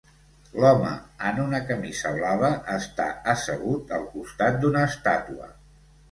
L'home en una camisa blava està assegut al costat d'una estàtua.